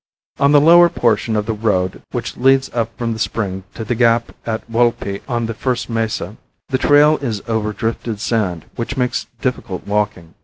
On the lower portion of the road which leads up from the spring to the gap at Walpi on the first mesa, the trail is over drifted sand which makes difficult walking.